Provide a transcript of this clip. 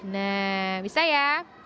nah bisa ya